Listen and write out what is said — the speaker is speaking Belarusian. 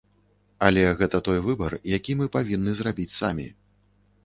Але гэта той выбар, які мы павінны зрабіць самі.